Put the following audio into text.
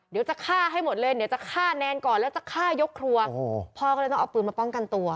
เดี๋ยวจะฆ่าให้หมดเลยเดี๋ยวจะฆ่าแนนก่อนแล้วจะฆ่ายกครัวพ่อก็เลยต้องเอาปืนมาป้องกันตัว